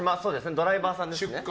ドライバーさんですね。